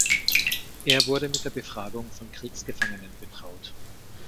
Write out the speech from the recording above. Er wurde mit der Befragung von Kriegsgefangenen betraut.